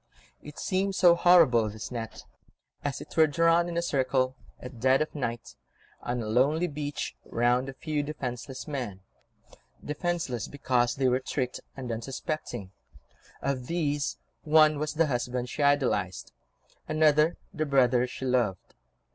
It seemed so horrible, this net, as it were drawn in a circle, at dead of night, on a lonely beach, round a few defenceless men, defenceless because they were tricked and unsuspecting; of these one was the husband she idolised, another the brother she loved.